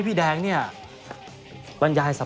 พี่แดงก็พอสัมพันธ์พูดเลยนะครับ